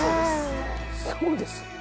そうです。